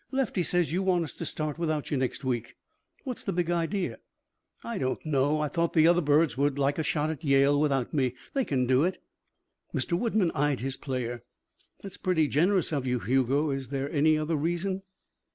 "Lefty says you want us to start without you next week. What's the big idea?" "I don't know. I thought the other birds would like a shot at Yale without me. They can do it." Mr. Woodman eyed his player. "That's pretty generous of you, Hugo. Is there any other reason?"